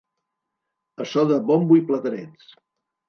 A so de bombo i platerets.